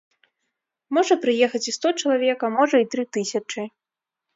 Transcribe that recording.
Можа прыехаць і сто чалавек, а можа і тры тысячы.